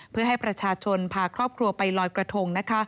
เพื่อให้ประชาชนพาครอบครัวไปลอยกระทง